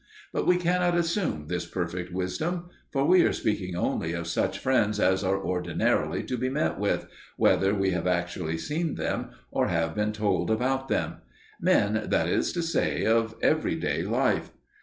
But we cannot assume this perfect wisdom; for we are speaking only of such friends as are ordinarily to be met with, whether we have actually seen them or have been told about them men, that is to say, of everyday life.